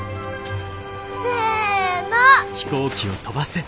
せの。